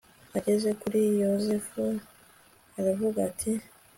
ageze kuri yozefu aravuga ati